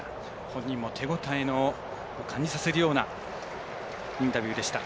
本人も手応えを感じさせるようなインタビューでした。